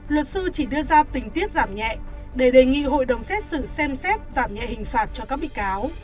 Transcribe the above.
luật sư chỉ đưa ra tình tiết giảm nhẹ để đề nghị hội đồng xét xử xem xét giảm nhẹ hình phạt cho các bị cáo